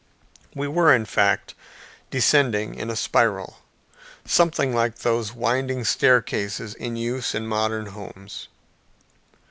We were, in fact, descending a spiral, something like those winding staircases in use in modern houses.